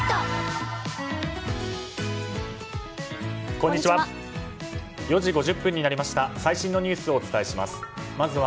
こんにちは。